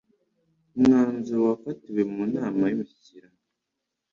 umwanzuro wafatiwe mu nama y'Umushyikirano